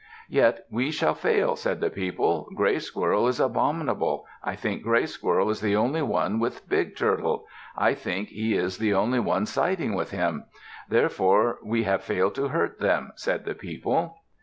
"Yet we shall fail," said the people. "Gray Squirrel is abominable! I think Gray Squirrel is the only one with Big Turtle. I think he is the only one siding with them. Therefore we have failed to hurt them," said the people.